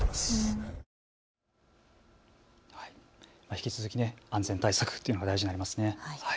引き続き安全対策というのが大事になりますね。